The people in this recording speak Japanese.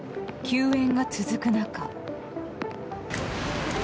休園が続く中。